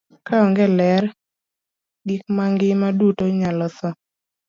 Ka onge ler, gik mangima duto nyalo tho.